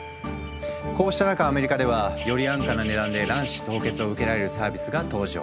こうした中アメリカではより安価な値段で卵子凍結を受けられるサービスが登場。